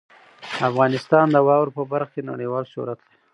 افغانستان د واورو په برخه کې نړیوال شهرت لري.